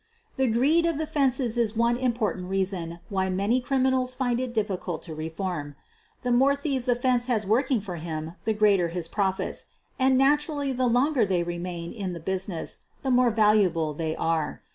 The greed of the "fences" is one important rea son why many criminals find it difficult to reform. The more thieves a "fence" has working for him the greater his profits, and naturally the longer they remain in the business the more valuable they are.